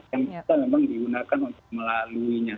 yang bisa memang digunakan untuk melaluinya